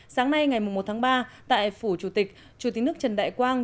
sáng nay ngày một tháng ba tại phủ chủ tịch chủ tịch nước trần đại quang